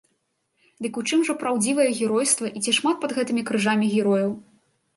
Дык у чым жа праўдзівае геройства і ці шмат пад гэтымі крыжамі герояў?